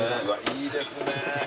いいですね。